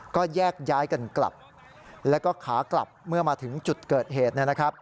ก็แยกย้ายกันกลับและก็ขากลับเมื่อมาถึงจุดเกิดเหตุ